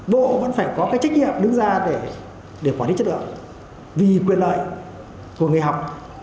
bộ vẫn phải có cái trách nhiệm đứng ra để quản lý chất lượng vì quyền lợi của người học